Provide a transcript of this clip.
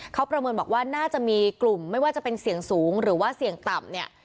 เขาประเมินบอกว่าน่าจะมีกลุ่มไม่ว่าจะเป็นเสี่ยงสูงหรือว่าเสี่ยงต่ำเนี่ย